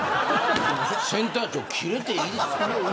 センター長、キレていいです。